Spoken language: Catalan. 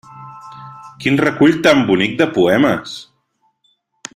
Quin recull tan bonic de poemes!